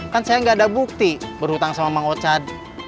kan saya gak ada bukti berhutang sama mau chad